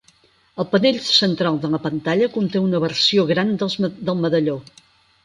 El panell central de la pantalla conté una versió gran del medalló.